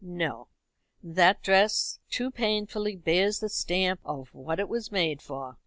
No; that dress too painfully bears the stamp of what it was made for.